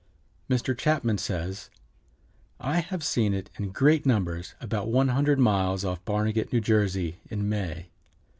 Mr. Chapman says: "I have seen it in great numbers about one hundred miles off Barnegat, New Jersey, in May.